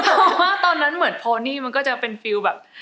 เพราะว่าตอนนั้นเหมือนโพนี่มันก็จะเป็นฟิลแบบ